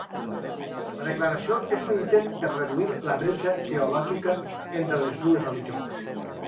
La declaració és un intent per reduir la bretxa teològica entre les dues religions.